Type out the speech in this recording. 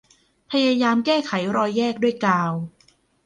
พยายามแก้ไขรอยแยกด้วยกาว